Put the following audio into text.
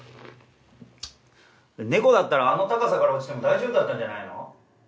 猫だったらあの高さから落ちても大丈夫だったんじゃないの？